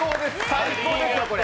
最高ですよ、これ。